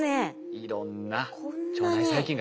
いろんな腸内細菌がいます。